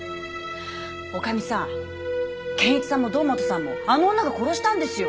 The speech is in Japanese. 女将さん謙一さんも堂本さんもあの女が殺したんですよ